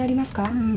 うん。